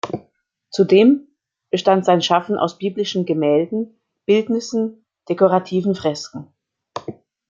Zudem bestand sein Schaffen aus biblischen Gemälden, Bildnissen, dekorativen Fresken.